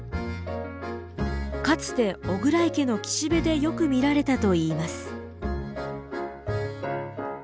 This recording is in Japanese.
かつて巨椋池の岸辺でよく見られたといいます。